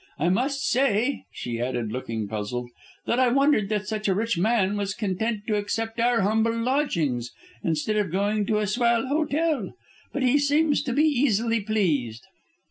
I must say," she added, looking puzzled, "that I wondered that such a rich man was content to accept our humble lodgings instead of going to a swell hotel. But he seems to be easily pleased."